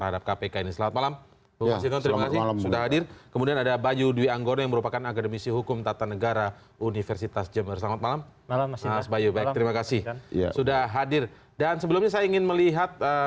dan sebelumnya saya ingin melihat